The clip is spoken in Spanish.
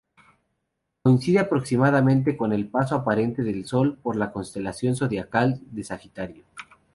Coincide aproximadamente con el paso aparente del Sol por la constelación zodiacal de Sagitario.